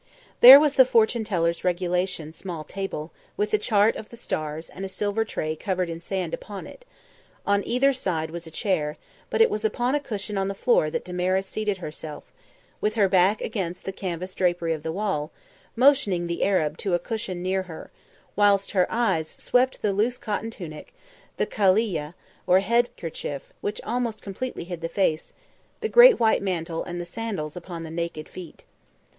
There was the fortune teller's regulation small table, with a chart of the stars and a silver tray covered in sand upon it; on either side was a chair; but it was upon a cushion on the floor that Damaris seated herself, with her back against the canvas drapery of the wall, motioning the Arab to a cushion near her, whilst her eyes swept the loose cotton tunic, the kaleelyah or head kerchief, which almost completely hid the face, the great white mantle and the sandals upon the naked feet.